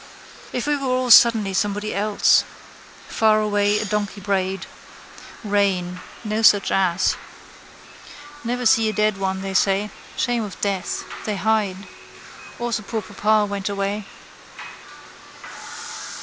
If we were all suddenly somebody else. Far away a donkey brayed. Rain. No such ass. Never see a dead one, they say. Shame of death. They hide. Also poor papa went away.